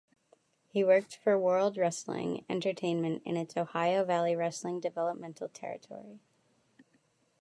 He worked for World Wrestling Entertainment in its Ohio Valley Wrestling developmental territory.